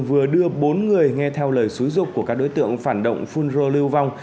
vừa đưa bốn người nghe theo lời xúi dục của các đối tượng phản động phun rô lưu vong